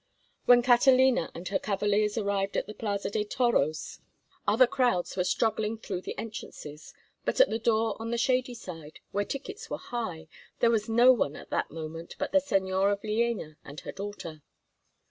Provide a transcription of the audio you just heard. When Catalina and her cavaliers arrived at the Plaza de Toros other crowds were struggling through the entrances, but at the door on the shady side, where tickets were high, there was no one at that moment but the Señora Villéna and her daughter.